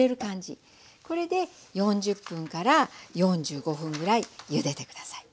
これで４０分から４５分ぐらいゆでて下さい。